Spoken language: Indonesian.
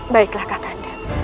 baiklah kak kanda